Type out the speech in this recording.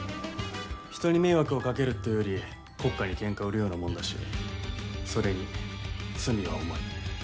人に迷惑をかけるっていうより国家にケンカ売るようなもんだしそれに罪は重い。